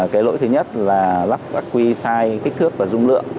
cái lỗi thứ nhất là lắp ác quy sai kích thước và dung lượng